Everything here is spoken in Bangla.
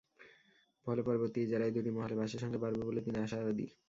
ফলে পরবর্তী ইজারায় দুটি মহালে বাঁশের সংখ্যা বাড়বে বলে তিনি আশাবাদী।